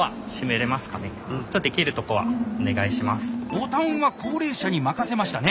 ボタンは高齢者に任せましたね。